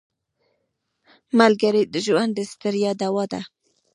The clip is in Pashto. ملګری د ژوند د ستړیا دوا ده